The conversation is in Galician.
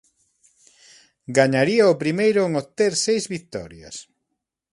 Gañaría o primeiro en obter seis vitorias.